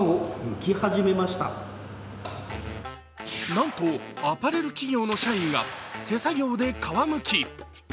なんとアパレル企業の社員が手作業で皮むき。